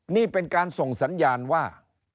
นี่เป็นการส่งสัญญาณว่า